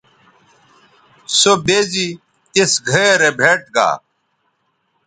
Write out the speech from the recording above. سو بے زی تِس گھئے رے بھئیٹ گا